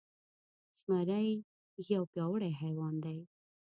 زمری يو پياوړی حيوان دی.